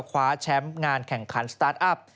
คว้าแชมป์งานแข่งขันสตาร์ทอัพ